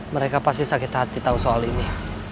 mereka pasti sakit hati tahu soal ini